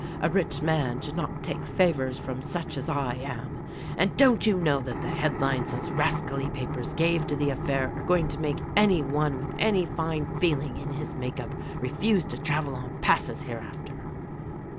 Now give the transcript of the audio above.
A rich man should not take favors from such as I am,' — and don't you know that the headlines those rascally papers gave to the affair are going to make any one with any fine feeling in his make up refuse to travel on passes hereafter?"